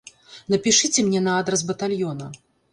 Напішыце мне на адрас батальёна.